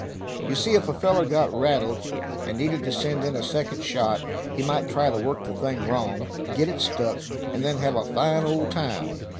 You see, if a feller got rattled, and needed to send in a second shot, he might try to work the thing wrong, get it stuck, and then have a fine old time.